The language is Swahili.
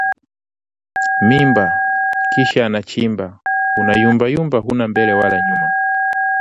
mimba, kisha anachimba, unayumbayumba huna mbele wala nyuma